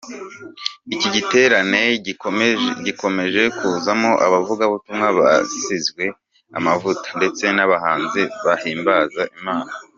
Iki giterane gikomeje kuzamo abavugabutumwa basizwe amavuta ndetse n’abahanzi bahimbaza Imana.